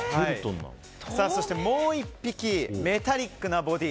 そしてもう１匹メタリックなボディー。